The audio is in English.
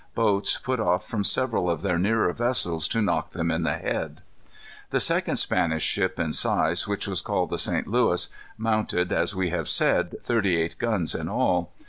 Boats put off from several of their nearer vessels to knock them in the head. The second Spanish ship in size, which was called the St. Louis, mounted, as we have said, thirty eight guns in all.